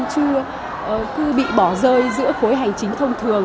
chứ cứ bị bỏ rơi giữa khối hành chính thông thường